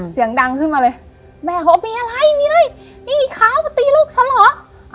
เสียงดังขึ้นมาเลยแม่เขาก็มีอะไรมีอะไรนี่ขาวมาตีลูกฉันเหรอ